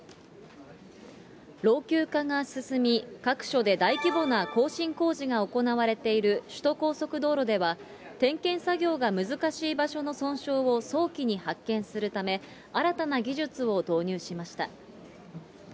老朽化が進み、各所で大規模な更新工事が行われている首都高速道路では、点検作業が難しい場所の損傷を早期に発見するため、新たな技術を導入しました。